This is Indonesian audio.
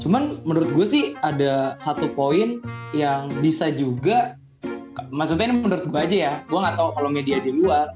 cuman menurut gue sih ada satu poin yang bisa juga maksudnya menurut gue aja ya gue gak tau kalau media di luar